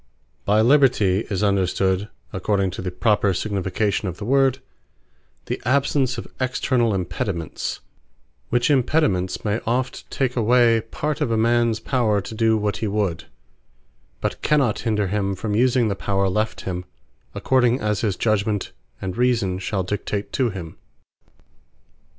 Liberty What By LIBERTY, is understood, according to the proper signification of the word, the absence of externall Impediments: which Impediments, may oft take away part of a mans power to do what hee would; but cannot hinder him from using the power left him, according as his judgement, and reason shall dictate to him.